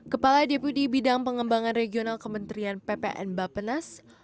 kepala deputi bidang pengembangan regional kementerian ppn bapenas